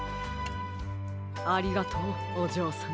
ありがとうおじょうさん。